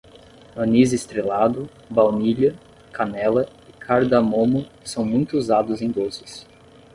Anis-estrelado, baunilha, canela e cardamomo são muito usados em doces